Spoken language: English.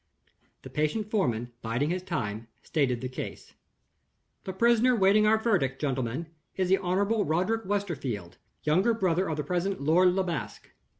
The patient foreman, biding his time, stated the case. "The prisoner waiting our verdict, gentlemen, is the Honorable Roderick Westerfield, younger brother of the present Lord Le Basque.